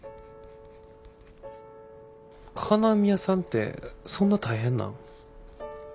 金網屋さんってそんな大変なん？